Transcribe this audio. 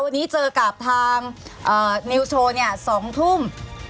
วันนี้เจอกันกลับทางนิวส์โชว์เนี่ย๒ทุ่ม